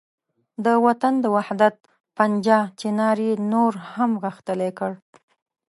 د وطن د وحدت پنجه چنار یې نور هم غښتلې کړ.